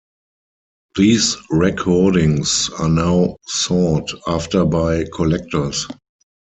These recordings are now sought after by collectors.